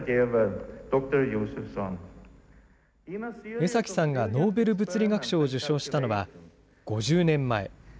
江崎さんがノーベル物理学賞を受賞したのは５０年前。